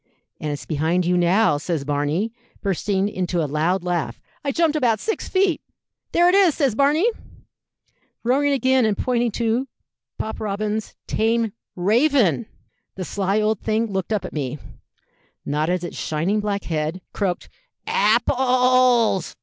'And it's behind you now,' says Barney, bursting into a loud laugh. I jumped about six feet. 'There it is,' says Barney, roaring again, and pointing to Pop Robins's tame raven! The sly old thing looked up at me, nodded its shining black head, croaked 'Apples!'